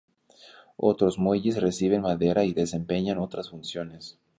Otros muelles reciben madera y desempeñan otras funciones.